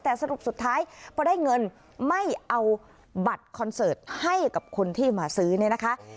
แต่สรุปสุดท้ายพอได้เงินไม่เอาบัตรคอนเสิร์ตให้กับคนที่มาซื้อเนี่ยนะคะ